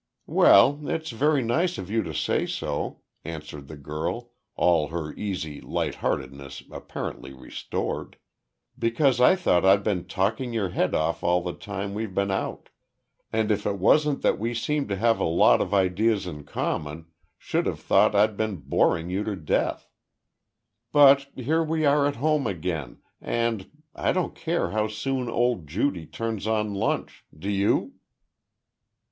"Well it's very nice of you to say so," answered the girl, all her easy lightheadedness apparently restored, "because I thought I'd been talking your head off all the time we've been out; and if it wasn't that we seem to have a lot of ideas in common, should have thought I'd been boring you to death. But, here we are at home again, and I don't care how soon old Judy turns on lunch. Do you?"